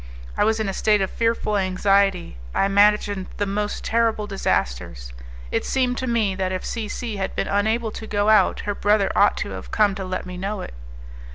I was in a state of fearful anxiety; I imagined the most terrible disasters. It seemed to me that if C C had been unable to go out her brother ought to have come to let me know it.